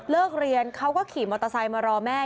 เรียนเขาก็ขี่มอเตอร์ไซค์มารอแม่